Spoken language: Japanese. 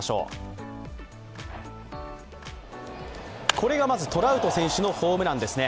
これがまずトラウト選手のホームランですね。